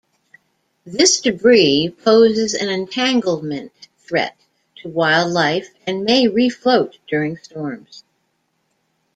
This debris poses an entanglement threat to wildlife and may refloat during storms.